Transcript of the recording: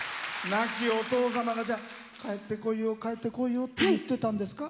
亡きお父様が「帰ってこいよ帰ってこいよ」って言ってたんですか。